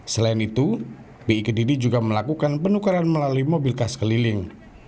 selain itu bi kediri juga melakukan penukaran melalui mobil kas keliling